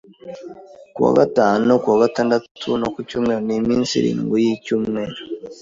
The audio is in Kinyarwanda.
Ku wa gatanu, Ku wa gatandatu no ku Cyumweru ni iminsi irindwi y'icyumweru.